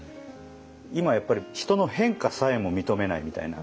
今やっぱり人の変化さえも認めないみたいな。